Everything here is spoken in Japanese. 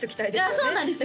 そうなんですよ